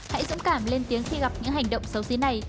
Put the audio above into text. hãy dũng cảm lên tiếng khi gặp những hành động xấu xí này